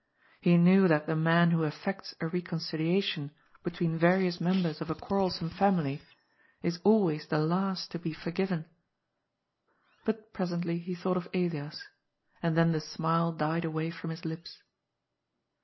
He knew that the man who effects a reconciliation between various members of a quarrelsome family is always the last to be forgiven. But presently he thought of Elias — ^and then the smile died away from his lips.